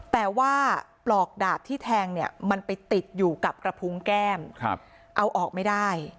แต่ว่าปลอกดาบที่แทงเนี่ยมันไปติดอยู่กับกระพุงแก้มเอาออกไม่ได้